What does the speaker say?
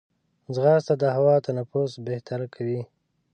ځغاسته د هوا تنفس بهتر کوي